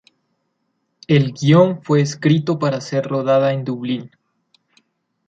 El guion fue escrito para ser rodada en Dublín.